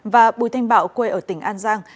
và bùi thanh bảo quê ở tỉnh an giang